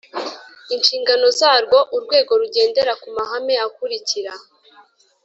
Inshingano zarwo urwego rugendera ku mahame akurikira